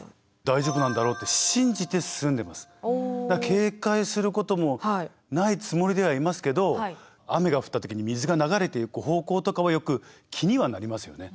警戒することもないつもりではいますけど雨が降った時に水が流れていく方向とかはよく気にはなりますよね。